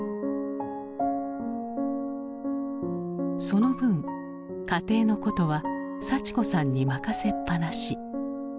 その分家庭のことは幸子さんに任せっぱなし。